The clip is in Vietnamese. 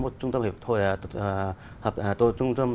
một trung tâm